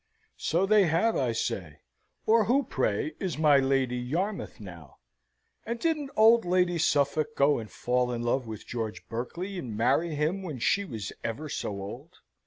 "So they have, I say; or who, pray, is my Lady Yarmouth now? And didn't old Lady Suffolk go and fall in love with George Berkeley, and marry him when she was ever so old?